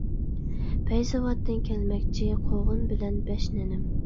پەيزىۋاتتىن كەلمەكچى، قوغۇن بىلەن بەش نېنىم.